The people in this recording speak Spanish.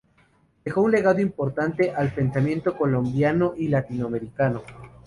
Dejó un legado importante al pensamiento Colombiano y Latinoamericano.